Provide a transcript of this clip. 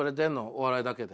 お笑いだけで。